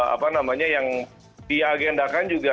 apa namanya yang diagendakan juga